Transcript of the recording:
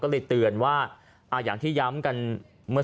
ฟังเสียงคนที่ไปรับของกันหน่อย